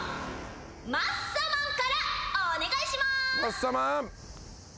マッサマンからお願いします。